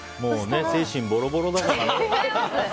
精神ボロボロだからね。